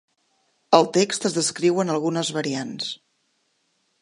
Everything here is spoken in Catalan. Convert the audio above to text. Al text es descriuen algunes variants.